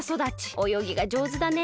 およぎがじょうずだね。